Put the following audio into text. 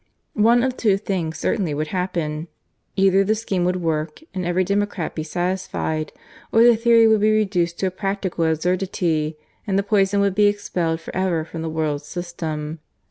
One of two things certainly would happen. Either the scheme would work and every democrat be satisfied, or the theory would be reduced to a practical absurdity, and the poison would be expelled for ever from the world's system.